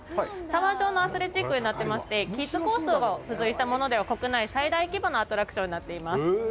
タワー状のアスレチックになっておりまして、キッズコースを付随したものでは国内最大規模のアトラクションになっています。